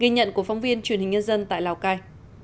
ghi nhận của phóng viên truyền hình nhân dân tại lào cai